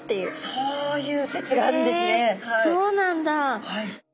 へえそうなんだ。